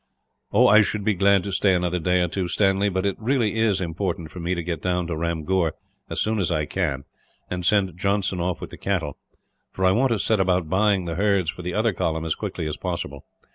"I should be glad to stay another day or two, Stanley; but it is really of importance for me to get down to Ramgur, as soon as I can, and send Johnson off with the cattle; for I want to set about buying the herds for the other column, as quickly as possible.